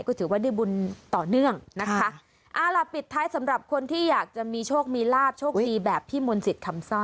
ก็ถือว่าได้บุญต่อเนื่องนะคะเอาล่ะปิดท้ายสำหรับคนที่อยากจะมีโชคมีลาบโชคดีแบบพี่มนต์สิทธิ์คำซ่อ